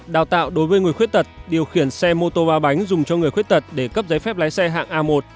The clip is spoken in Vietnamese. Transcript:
đào tạo đối với người khuyết tật điều khiển xe mô tô ba bánh dùng cho người khuyết tật để cấp giấy phép lái xe hạng a một